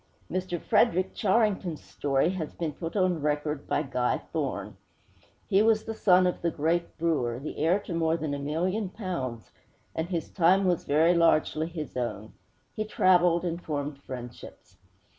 Mr. Frederick Charrington's story has been put on record by Guy Thorne. He was the son of the great brewer, the heir to more than a million pounds, and his time was very largely his own. He traveled and formed friendships.